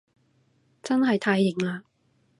真係太型喇